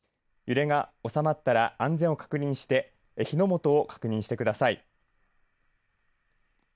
揺れがおさまったら安全を確認して火の元を確認してください。